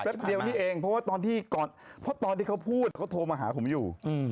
แป๊บเดียวนี่เองเพราะว่าตอนที่เขาพูดเขาโทรมาหาผมอยู่